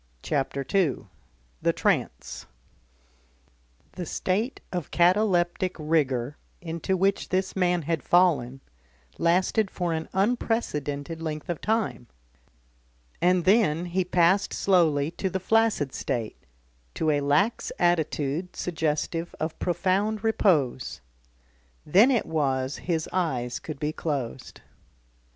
CHAPTER II THE TRANCE The state of cataleptic rigour into which this man had fallen, lasted for an unprecedented length of time, and then he passed slowly to the flaccid state, to a lax attitude suggestive of profound repose. Then it was his eyes could be closed.